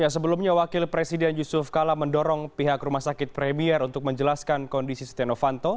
sebelumnya wakil presiden yusuf kala mendorong pihak rumah sakit premier untuk menjelaskan kondisi setia novanto